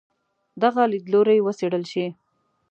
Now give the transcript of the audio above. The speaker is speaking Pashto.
دغه لیدلوری وڅېړل شي.